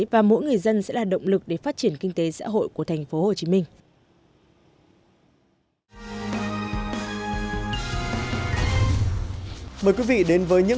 và mỗi người dân sẽ là động lực để phát triển kinh tế xã hội của thành phố hồ chí minh